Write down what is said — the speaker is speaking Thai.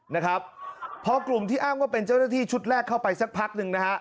นะครับพอกลุ่มที่อ้างว่าเป็นเจ้าหน้าที่ชุดแรกเข้าไปสักพักหนึ่งนะฮะ